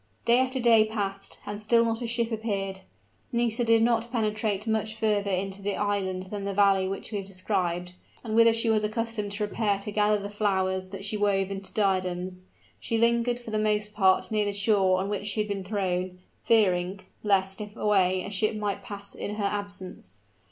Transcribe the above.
Day after day passed, and still not a ship appeared. Nisida did not penetrate much further into the island than the valley which we have described, and whither she was accustomed to repair to gather the flowers that she wove into diadems. She lingered for the most part near the shore on which she had been thrown, fearing lest, if away, a ship might pass in her absence.